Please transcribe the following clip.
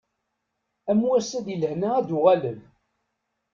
Am wass-a di lehna ad d-uɣalen.